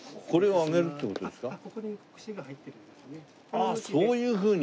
あっそういうふうに？